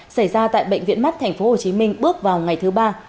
xảy ra tại bệnh viện mắt tp hcm bước vào ngày thứ ba